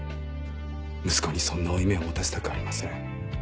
息子にそんな負い目を持たせたくありません。